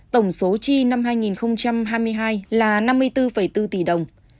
tổng số chi năm hai nghìn hai mươi hai là năm mươi bốn bốn tỷ đồng